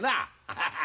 アハハハ。